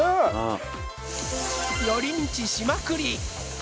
寄り道しまくり。